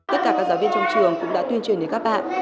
tất cả các giáo viên trong trường cũng đã tuyên truyền đến các bạn